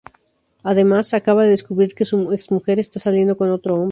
Además, acaba de descubrir que su exmujer está saliendo con otro hombre.